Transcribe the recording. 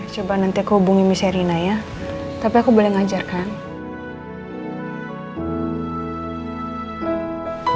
coba nanti aku hubungi miss erina ya tapi aku boleh ngajarkan